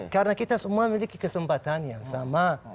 karena kita semua memiliki kesempatan yang sama